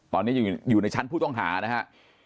ตอนนี้อยู่ในชั้นผู้ต้องหานะฮะ